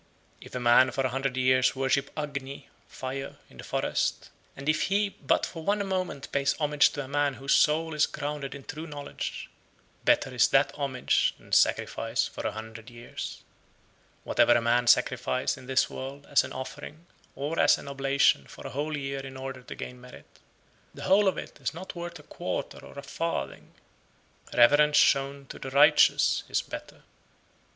107. If a man for a hundred years worship Agni (fire) in the forest, and if he but for one moment pay homage to a man whose soul is grounded (in true knowledge), better is that homage than sacrifice for a hundred years. 108. Whatever a man sacrifice in this world as an offering or as an oblation for a whole year in order to gain merit, the whole of it is not worth a quarter (a farthing); reverence shown to the righteous is better.